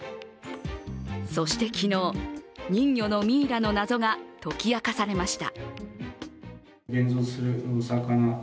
そして昨日、人魚のミイラの謎が解き明かされました。